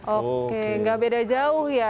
oke gak beda jauh ya